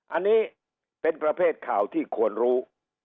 อันนี้เป็นประเภทข่าวที่ควรรู้